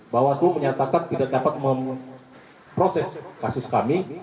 bawaslu menyatakan tidak dapat memproses kasus kami